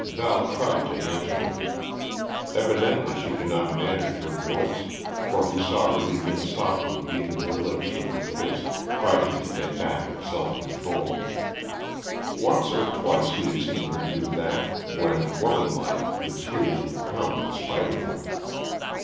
Val tied to answer him. Evidently she could not manage her voice, for he saw her begin softly beating her lips with her fist, fighting to get back her self control. Once or twice he had seen her do that, when, womanlike, the tears would come in spite of her.